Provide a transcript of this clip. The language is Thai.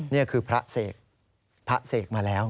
นี่คือพระเสกพระเสกมาแล้ว